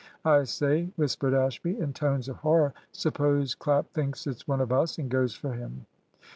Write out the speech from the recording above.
"I say," whispered Ashby, in tones of horror, "suppose Clap thinks it's one of us, and goes for him!"